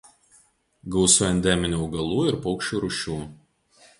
Gausu endeminių augalų ir paukščių rūšių.